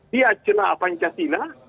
dia jelah pancasila